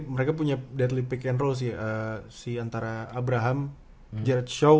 mereka punya deadly pick and roll sih antara abraham jared shaw